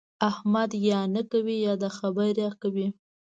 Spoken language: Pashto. احمد یا نه کوي يا د خبره کوي.